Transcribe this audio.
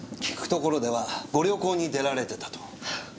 聞くところではご旅行に出られてたと。